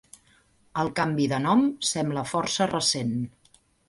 El canvi de nom sembla força recent.